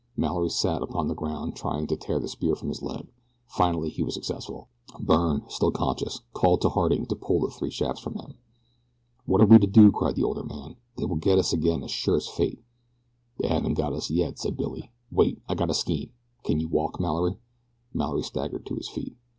Mallory sat upon the ground trying to tear the spear from his leg. Finally he was successful. Byrne, still conscious, called to Harding to pull the three shafts from him. "What are we to do?" cried the older man. "They will get us again as sure as fate." "They haven't got us yet," said Billy. "Wait, I got a scheme. Can you walk, Mallory?" Mallory staggered to his feet.